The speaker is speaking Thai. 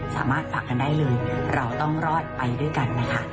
สามารถฝากกันได้เลยเราต้องรอดไปด้วยกันนะคะ